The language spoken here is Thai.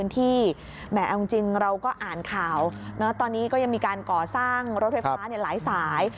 ตอนนี้ก็ยังมีการก่อสร้างรถไฟฟ้าหลายสาย